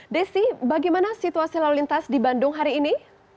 desi bagaimana situasi lalu lintas di bandung hari ini